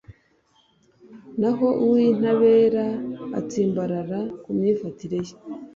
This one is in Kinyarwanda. naho uw’intabera atsimbarara ku myifatire ye